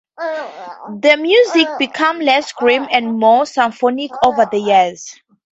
The music became less grim and more symphonic over the years.